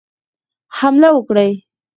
حمله وکړي.